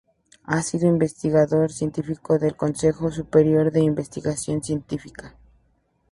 Ha sido investigador científico del Consejo Superior de Investigaciones Científicas.